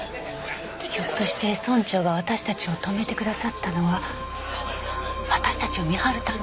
ひょっとして村長が私たちを泊めてくださったのは私たちを見張るため？